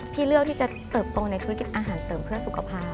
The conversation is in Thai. เลือกที่จะเติบโตในธุรกิจอาหารเสริมเพื่อสุขภาพ